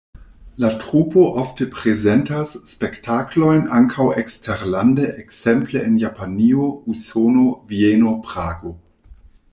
La trupo ofte prezentas spektaklojn ankaŭ eksterlande, ekzemple en Japanio, Usono, Vieno, Prago.